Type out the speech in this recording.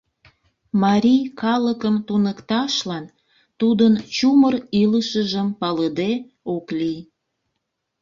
Марий калыкым туныкташлан тудын чумыр илышыжым палыде ок лий.